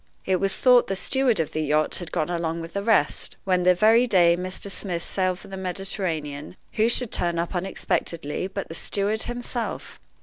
It was thought the steward of the yacht had gone along with the rest, when, the very day Mr. Smith sailed for the Mediterranean, who should turn up unexpectedly but the steward himself!